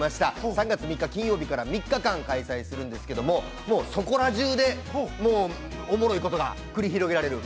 ３月３日金曜日から３日間開催するんですけども、そこら中で、おもろいことが繰り広げられる。